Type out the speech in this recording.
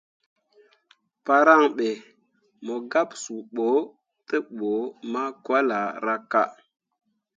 Paran be, mo gab suu bo tebǝ makolahraka.